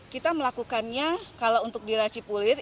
kita melakukannya kalau untuk di raci kulit